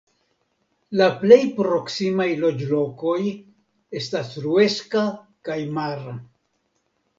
La plej proksimaj loĝlokoj estas Ruesca kaj Mara.